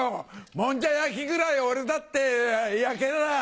もんじゃ焼きぐらい俺だって焼けらぁ！